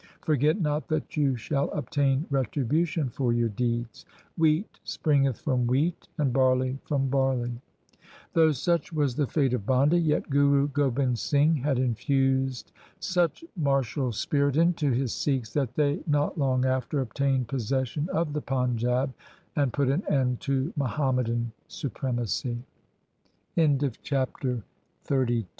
Forget not that you shall obtain retribution for your deeds. Wheat springeth from wheat, and barley from barley. 1 Though such was the fate of Banda, yet Guru Gobind Singh had infused such martial spirit into his Sikhs, that they not long after obtained possession of the Panjab, and put an end to Muha